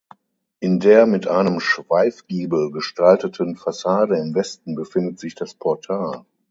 In der mit einem Schweifgiebel gestalteten Fassade im Westen befindet sich das Portal.